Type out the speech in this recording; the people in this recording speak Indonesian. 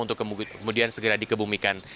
untuk kemudian segera dikebumikan